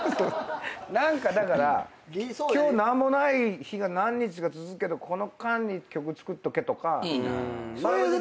何かだから何もない日が何日か続くけどこの間に曲作っとけとか。